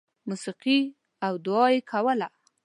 • موسیقي او دعا یې کوله.